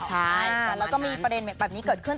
ใช่ค่ะแล้วก็มีประเด็นแบบนี้เกิดขึ้น